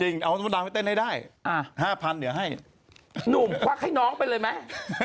หนุ่มควักให้น้องไปเลยมั้ย